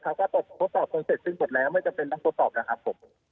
เขาก็ตกทดสอบตรงเสร็จซึ่งจดแล้วไม่จำเป็นต้นทดสอบนะครับผม